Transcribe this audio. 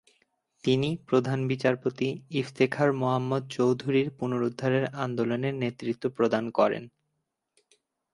তিনি প্রধান বিচারপতি ইফতিখার মোহাম্মদ চৌধুরীর পুনরুদ্ধারের আন্দোলনে নেতৃত্ব প্রদান করেন।